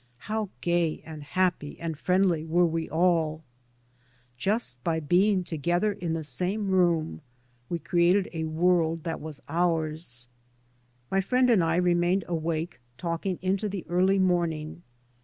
How gay and happy and friendly were we all I Just by being together in the same room we created a world that was ours. My friend and I remained awake talking into the early morn ing.